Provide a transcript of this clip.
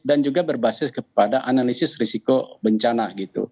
dan juga berbasis kepada analisis risiko bencana